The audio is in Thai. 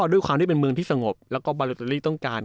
ด้วยความที่เป็นเมืองที่สงบแล้วก็บาโลเตอรี่ต้องการ